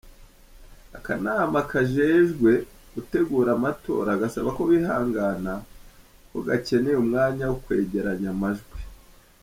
Akanama kajejwe gutegura amatora gasaba ko bihangana, ko gakeneye umwanya wo kwegeranya amajwi.